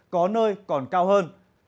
có nơi còn cao hơn